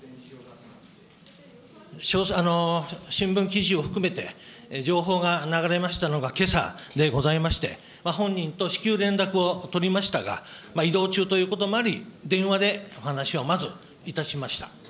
新聞記事を含めて、情報が流れましたのがけさでございまして、本人と至急連絡を取りましたが、移動中ということもあり、電話でお話をまずいたしました。